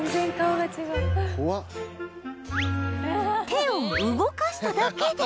手を動かしただけで